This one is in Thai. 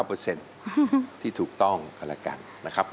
ก็ขอให้เป็น๙๙ที่ถูกต้องกันละกันนะครับผม